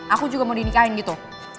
aku juga mau dinikahin gitu